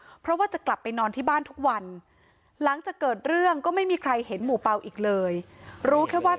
ทีมข่าวของเราก็เลยไปตรวจสอบที่แฟลต์ตำรวจที่สอบภาวเมืองชายนาฏไปดูเบาะแสตามที่ชาวเน็ตแจ้งมาว่า